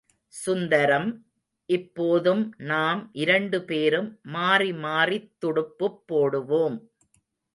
சுந்தரம், இப்போதும் நாம் இரண்டு பேரும் மாறிமாறித் துடுப்புப் போடுவோம்.